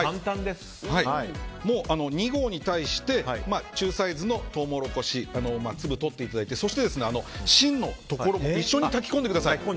もう、２合に対して中サイズのトウモロコシ粒を取っていただいてそして、芯のところも一緒に炊き込んでください。